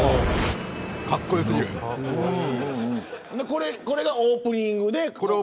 これがオープニングで。